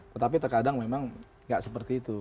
tetapi terkadang memang tidak seperti itu